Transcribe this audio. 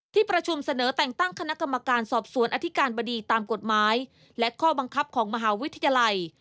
ที่ประชุมเสนอแต่งตั้งคณะกรรมการสอบสวนอธิการบดีตามกฎหมายและข้อบังคับของมหาวิทยาลัย